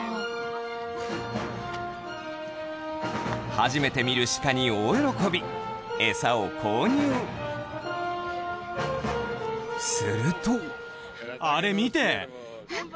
初めて見るシカに大喜びエサを購入するとえっ？